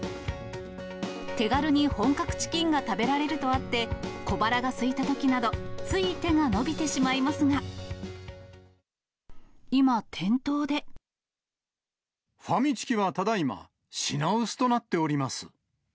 手軽に本格チキンが食べられるとあって小腹がすいたときなど、つい手が伸びてしまいますが、今、ファミチキはただいま、品薄となっております。